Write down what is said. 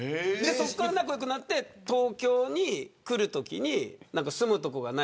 そこから仲良くなって東京に来るときに住む所がない。